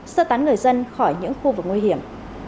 sơ tán người dân khỏi những khu vực nguy hiểm